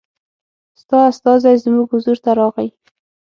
ستا استازی زموږ حضور ته راغی.